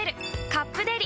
「カップデリ」